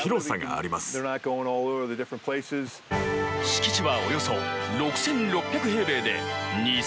敷地は、およそ６６００平米で２０００坪。